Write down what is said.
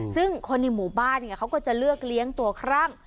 ซึ่งคนในหมู่บ้านเขาก็จะเลือกเลี้ยงตัวครั่ง